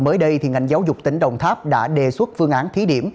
mới đây ngành giáo dục tỉnh đồng tháp đã đề xuất phương án thí điểm